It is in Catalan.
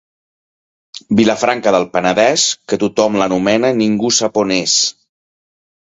Vilafranca del Penedès, que tothom l'anomena i ningú sap on és.